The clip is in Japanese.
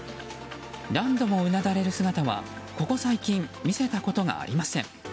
何度もうなだれる姿はここ最近見せたことがありません。